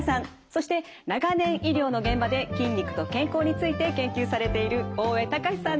そして長年医療の現場で筋肉と健康について研究されている大江隆史さんです。